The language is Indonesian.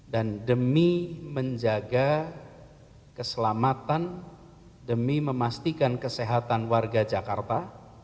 dan demi menjaga keselamatan demi memastikan kesehatan warga jakarta